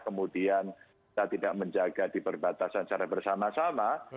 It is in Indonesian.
kemudian kita tidak menjaga di perbatasan secara bersama sama